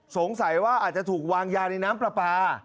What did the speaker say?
สงสัยว่าอาจจะถูกวางยาในน้ำปลาปลา